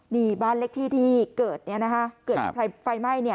นี่บ้านเลขที่ที่เกิดเนี่ยนะคะเกิดไฟไหม้เนี่ย